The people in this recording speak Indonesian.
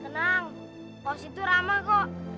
kenang paus itu ramah kok